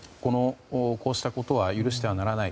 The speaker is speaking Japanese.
つまり、こうしたことは許してはならない。